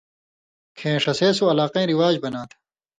کھیں ݜسے سو علاقَیں رِواج بناں تھہ۔